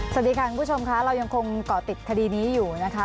สวัสดีค่ะคุณผู้ชมค่ะเรายังคงเกาะติดคดีนี้อยู่นะคะ